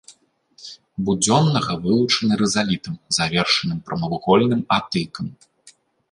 Будзённага вылучаны рызалітам, завершаным прамавугольным атыкам.